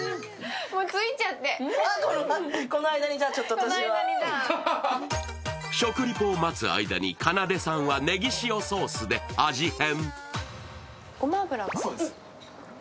この間にじゃあ食リポを待つ間に、かなでさんはねぎ塩ソースで味変。